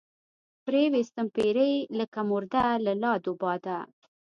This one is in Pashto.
پرې ويستم پيرۍ لکه مرده لۀ لاد وباده